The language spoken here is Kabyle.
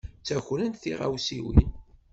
Ttakrent tiɣawsiwin.